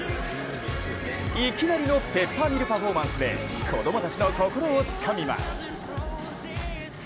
いきなりのペッパーミルパフォーマンスで子供たちの心をつかみます。